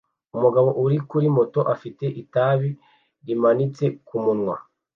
Umugabo uri kuri moto afite itabi rimanitse kumunwa